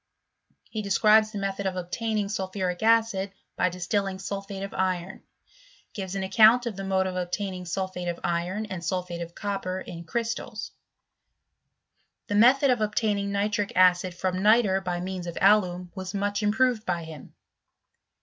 He describes the method of obtaining sulphuric acid by distilling sulphate of iron ; gives an account of the mode of obtaining sulphate of iron and sulphate of copper, in crystals : the method of obtaining ni tric acid from nitre by means of alum, was much im proved by him.